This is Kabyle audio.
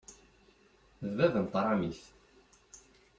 D bab n tṛamit.